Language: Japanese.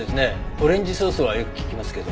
オレンジソースはよく聞きますけど。